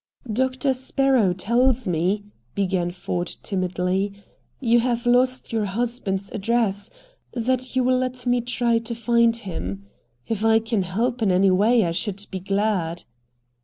"Doctor Sparrow tells me," began Ford timidly, "you have lost your husband's address; that you will let me try to find him. If I can help in any way I should be glad."